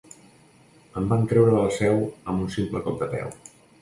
Em van treure de la Seu amb un simple cop de peu.